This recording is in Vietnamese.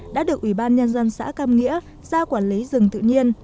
đã được ủy ban nhân dân xã cam nghĩa ra quản lý rừng tự nhiên